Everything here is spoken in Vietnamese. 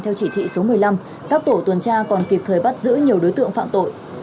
theo chỉ thị số một mươi năm các tổ tuần tra còn kịp thời bắt giữ nhiều đối tượng phạm tội